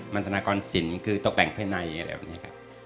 มันธนากรสินคือตกแต่งภายในอะไรแบบนี้ครับ